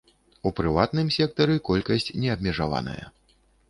У прыватным сектары колькасць не абмежаваная.